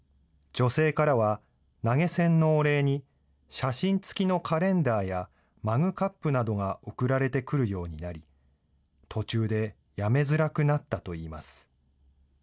女性からは、投げ銭のお礼に、写真付きのカレンダーや、マグカップなどが送られてくるようになり、途中でやめづらくなったといいます。